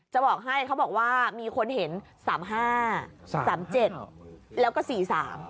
จะบอกให้เขาบอกว่ามีคนเห็นสามห้าสามสามเจ็ดแล้วก็สี่สาม